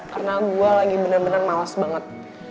karena gue lagi bener bener malas banget